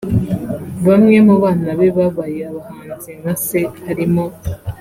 Bamwe mu bana be babaye abahanzi nka se harimo